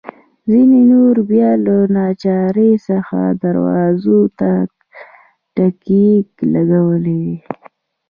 ځینو نورو بیا له ناچارۍ څخه دروازو ته تکیې لګولي وې.